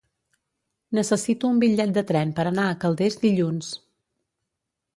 Necessito un bitllet de tren per anar a Calders dilluns.